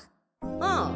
ああ。